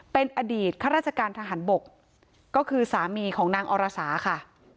เป็นอดีตข้าราชการทหารบกก็คือสามีของนางอรสาค่ะ